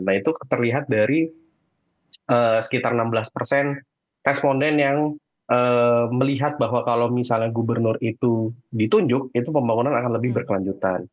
nah itu terlihat dari sekitar enam belas persen responden yang melihat bahwa kalau misalnya gubernur itu ditunjuk itu pembangunan akan lebih berkelanjutan